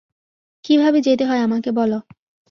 কীভাবে যেতে হয় আমাকে বল।